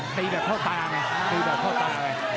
ตีแบบเข้าตาไงตีแบบเข้าตาไง